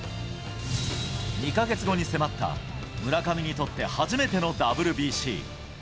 ２か月後に迫った村上にとって初めてのＷＢＣ。